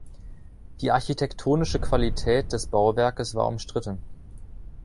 Die architektonische Qualität des Bauwerkes war umstritten.